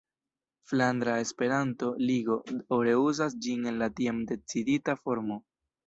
Flandra Esperanto-Ligo daŭre uzas ĝin en la tiam decidita formo.